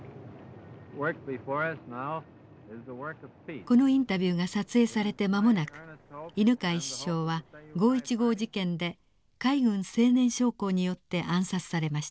このインタビューが撮影されて間もなく犬養首相は五・一五事件で海軍青年将校によって暗殺されました。